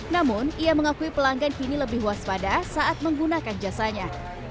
namun ia mengakui pelanggan kini lebih waspada saat menggunakan jasanya